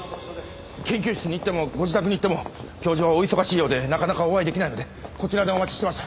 研究室に行ってもご自宅に行っても教授はお忙しいようでなかなかお会いできないのでこちらでお待ちしてました。